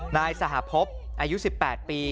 นายสหพบอายุ๑๘ปี